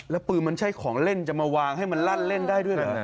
แล้วปืนมันใช่ของเล่นจะมาวางให้มันลั่นเล่นได้ด้วยเหรอ